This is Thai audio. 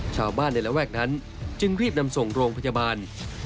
ชาวบ้านในระแวกนั้นจึงรีบนำส่งโรงพยาบาล